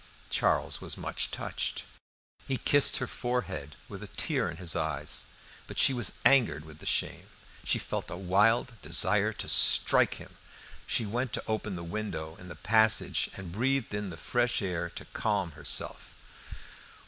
Charles was much touched. He kissed her forehead with a tear in his eyes. But she was angered with shame; she felt a wild desire to strike him; she went to open the window in the passage and breathed in the fresh air to calm herself.